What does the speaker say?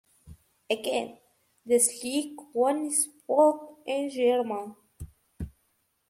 Again the sleek one spoke in German.